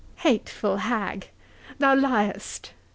"Hateful hag! thou liest!"